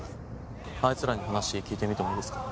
あいつらに話聞いてみてもいいですか？